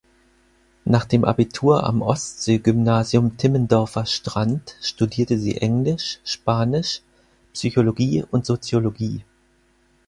Nach dem Abitur am Ostsee-Gymnasium Timmendorfer Strand studierte sie Englisch, Spanisch, Psychologie und Soziologie.